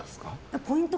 ポイント